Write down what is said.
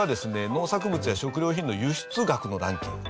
農作物や食料品の輸出額のランキング。